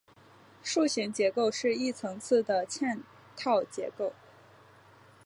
树形结构是一层次的嵌套结构。